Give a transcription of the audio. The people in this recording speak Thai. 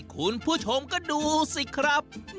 คุณผู้ชมก็ดูสิครับ